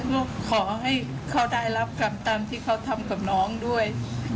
ขอให้เขาได้รับกรรมตามที่เขาทำกับน้องด้วย